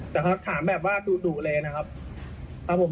แต่เขาถามแบบว่าดูเลยนะครับ